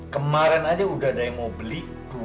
kemarin aja udah ada yang mau beli